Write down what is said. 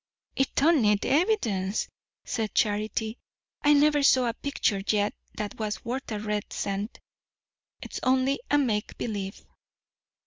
"It don't need evidence," said Charity. "I never saw a picture yet that was worth a red cent. It's only a make believe."